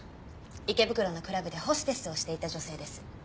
池袋のクラブでホステスをしていた女性です。